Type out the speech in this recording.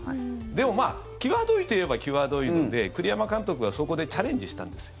でも、際どいといえば際どいので栗山監督がそこでチャレンジしたんですよ。